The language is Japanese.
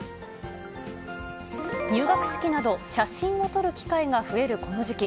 入学式など、写真を撮る機会が増えるこの時期。